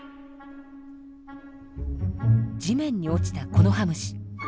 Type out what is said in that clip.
地面に落ちたコノハムシ。